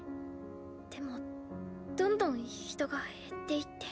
でもどんどん人が減っていって。